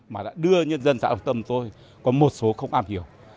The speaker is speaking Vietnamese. mà đã đưa nhân dân xã đồng tâm tôi có một số không am hiểu